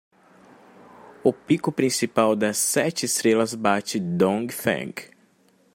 O pico principal das sete estrelas bate Dongfeng